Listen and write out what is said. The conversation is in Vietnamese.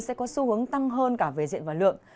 sẽ có xu hướng tăng hơn cả về diện và lượng